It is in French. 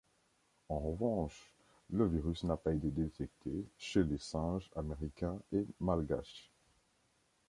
En revanche, le virus n'a pas été détecté chez les singes américains et malgaches.